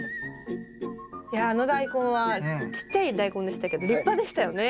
いやあのダイコンはちっちゃいダイコンでしたけど立派でしたよね。